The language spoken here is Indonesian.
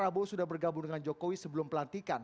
prabowo sudah bergabung dengan jokowi sebelum pelantikan